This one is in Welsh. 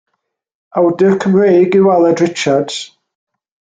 Awdur Cymreig yw Aled Richards.